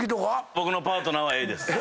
僕のパートナーはＡです。